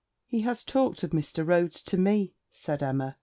'He has talked of Mr. Rhodes to me,' said Emma.